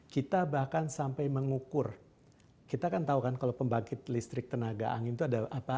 kita bahkan sampai mengukur kita kan tahu kan kalau pembangkit listrik tenaga angin itu ada apa